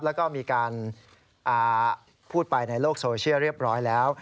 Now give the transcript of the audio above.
แล้วก็มีการพูดไปในโลกโซเชียลเรียบร้อยแล้ว